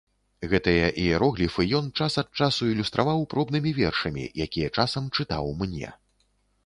Гэтыя іерогліфы ён час ад часу ілюстраваў пробнымі вершамі, якія часам чытаў мне.